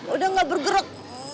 udah nggak bergerak